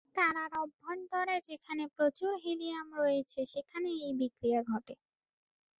তারার অভ্যন্তরে যেখানে প্রচুর হিলিয়াম রয়েছে সেখানে এই বিক্রিয়া ঘটে।